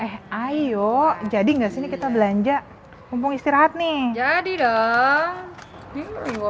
hai eh ayo jadi nggak sini kita belanja mumpung istirahat nih jadi dong ini gua